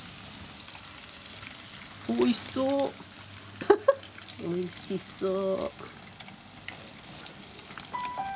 おいしそうフフおいしそう。